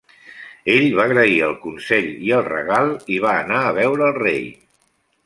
Ell va agrair el consell i el regal i va anar a veure el rei.